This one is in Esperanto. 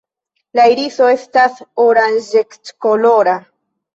La iriso estas oranĝeckolora.